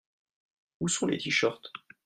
Où sont les tee-shirts ?